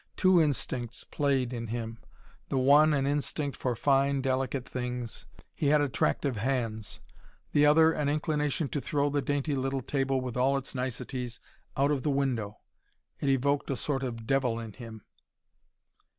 Two instincts played in him: the one, an instinct for fine, delicate things: he had attractive hands; the other, an inclination to throw the dainty little table with all its niceties out of the window. It evoked a sort of devil in him.